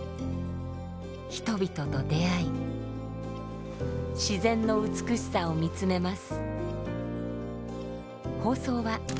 人々と出会い自然の美しさを見つめます。